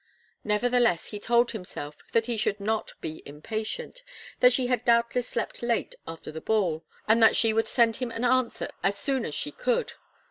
Nevertheless, he told himself that he should not be impatient, that she had doubtless slept late after the ball, and that she would send him an answer as soon as she could.